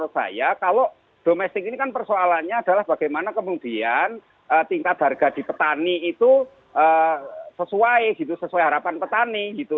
saya kalau domestik ini kan persoalannya adalah bagaimana kemudian tingkat harga di petani itu sesuai gitu sesuai harapan petani gitu